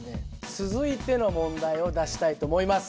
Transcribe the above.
続いての問題を出したいと思います。